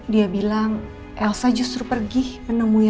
dia bilang elsa justru pergi menemui